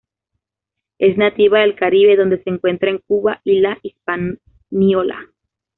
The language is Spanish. Es nativa del Caribe donde se encuentra en Cuba y la Hispaniola.